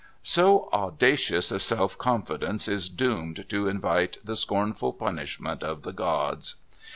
So audacious a self confidence is doomed to invite the scornful punishment of the gods.